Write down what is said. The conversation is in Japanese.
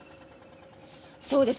そうです。